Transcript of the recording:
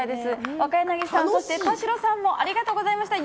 若柳さん、そして田代さんもありがとうございました。